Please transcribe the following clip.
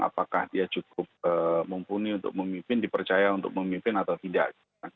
apakah dia cukup mumpuni untuk memimpin dipercaya untuk memimpin atau tidak